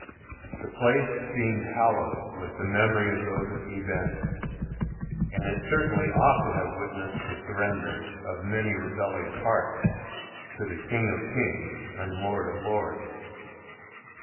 The place seemed hallowed with the memory of those events; and it certainly ought to have witnessed the surrender of many rebellious hearts to the "King of kings and Lord of lords."